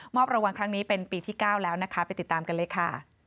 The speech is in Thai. รางวัลครั้งนี้เป็นปีที่๙แล้วนะคะไปติดตามกันเลยค่ะ